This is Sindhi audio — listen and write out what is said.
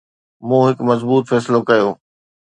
مون هڪ مضبوط فيصلو ڪيو